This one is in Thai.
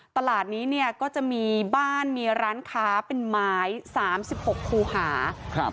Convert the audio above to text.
ตลาดนี้เนี่ยก็จะมีบ้านมีร้านค้าเป็นไม้๓๖คูหาครับ